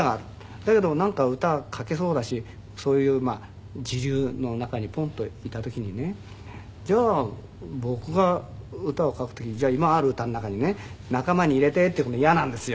だけどもなんか歌書けそうだしそういう時流の中にポンッといた時にねじゃあ僕が歌を書く時じゃあ今ある歌の中にね仲間に入れてっていう事は嫌なんですよ。